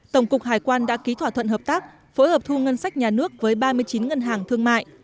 tổng cục hải quan đã ký thỏa thuận hợp tác phối hợp thu ngân sách nhà nước với ba mươi chín ngân hàng thương mại